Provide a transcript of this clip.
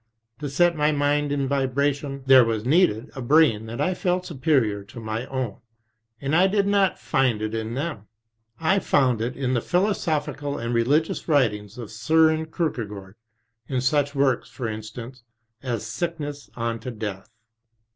To set my mind in vibration, there was needed a brain that I felt superior to my own ; and I did not find it in them. I found it in the philosophical and religious writings of Soren Kierke gaard, in such works, for instance, as Sickness unto Death.